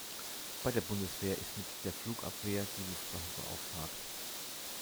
Bei der Bundeswehr ist mit der Flugabwehr die Luftwaffe beauftragt.